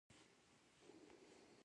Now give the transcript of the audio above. د خپلو ملي گټو د خوندي کولو لپاره کوي